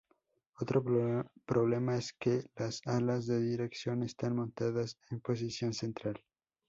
Otro problema es que las alas de dirección están montadas en posición central.